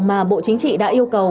mà bộ chính trị đã yêu cầu